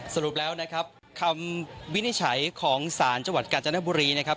สรุปแล้วนะครับคำวินิจฉัยของศาลจังหวัดกาญจนบุรีนะครับ